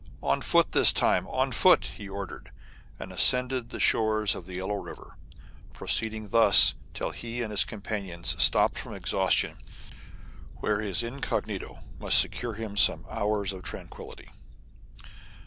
" On foot this time, on foot !'* he ordered, and ascended the shores of the Yellow River, proceeding thus till he and his com panions stopped from exhaustion in a little town where his incognito must secure him some hours of tranquillity.